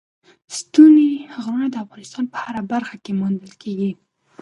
ستوني غرونه د افغانستان په هره برخه کې موندل کېږي.